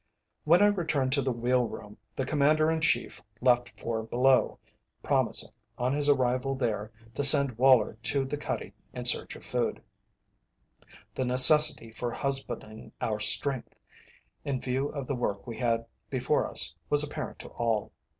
When I returned to the wheel room, the Commander in Chief left for below, promising, on his arrival there, to send Woller to the cuddy in search of food. The necessity for husbanding our strength, in view of the work we had before us, was apparent to all.